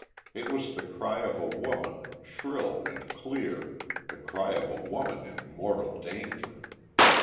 It was the cry of a woman, shrill and clear the cry of a woman in mortal danger!